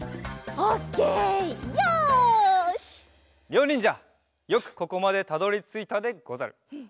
りょうにんじゃよくここまでたどりついたでござる。